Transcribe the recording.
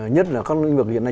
nhất là các nghệ thuật hiện nay